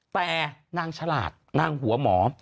แต่นางฉลาดนางหัวหมอ